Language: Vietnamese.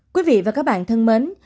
quý vị và các bạn thân mến